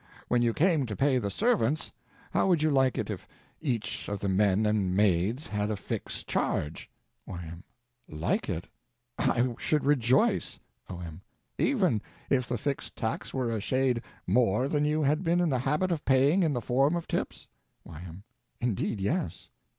When you came to pay the servants, how would you like it if each of the men and maids had a fixed charge? Y.M. Like it? I should rejoice! O.M. Even if the fixed tax were a shade more than you had been in the habit of paying in the form of tips? Y.M. Indeed, yes!